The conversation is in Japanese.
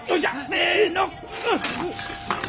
せの！